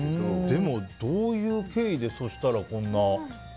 でも、どういう経緯でそうしたらこんな。